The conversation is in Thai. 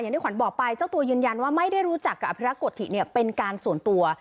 ที่ขวัญบอกไปเจ้าตัวยืนยันว่าไม่ได้รู้จักกับอภิรักษ์โกธิเนี่ยเป็นการส่วนตัว